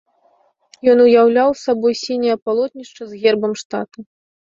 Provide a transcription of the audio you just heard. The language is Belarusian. Ён уяўляў сабой сіняе палотнішча з гербам штата.